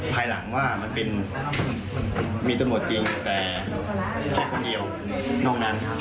ภายหลังว่ามันเป็นมีตำรวจจริงแต่แค่คนเดียวนอกนั้น